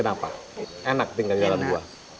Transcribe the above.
kenapa enak tinggal di dalam gua